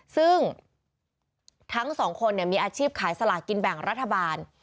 ซึ่งทั้งสองคนมีอาชีพขายสลากินแบ่งรัฐบาล